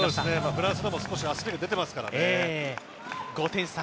フランスでも少し焦りが出ていますからね。